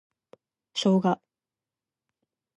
ショウガ